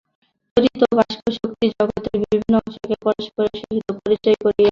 তড়িৎ ও বাষ্প-শক্তি জগতের বিভিন্ন অংশকে পরস্পরের সহিত পরিচয় করাইয়া দিতেছে।